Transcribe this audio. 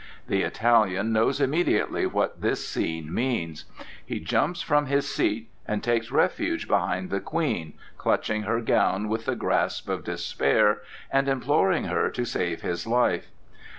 The Italian knows immediately what this scene means. He jumps from his seat and takes refuge behind the Queen, clutching her gown with the grasp of despair and imploring her to save his life.